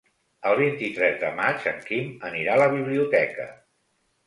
El vint-i-tres de maig en Quim anirà a la biblioteca.